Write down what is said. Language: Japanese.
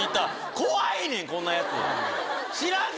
怖いねんこんなやつ知らんか？